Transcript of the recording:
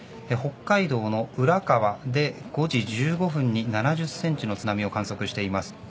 北海道の浦河で５時１５分に７０センチの津波を観測しています。